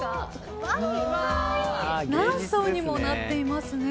何層にもなっていますね。